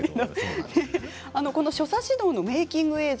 所作指導のメーキング映像